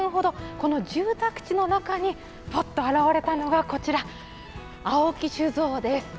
この住宅地の中にぱっと現れたのがこちら、青木酒造です。